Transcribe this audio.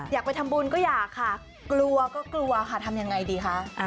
อยากไปทำบุญก็อยากค่ะกลัวก็กลัวค่ะทำยังไงดีคะ